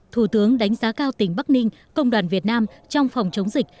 thủ tướng đánh giá cao tỉnh bắc ninh công đoàn việt nam trong phòng chống dịch